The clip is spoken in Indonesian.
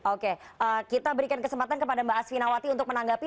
oke kita berikan kesempatan kepada mbak asvinawati untuk menanggapi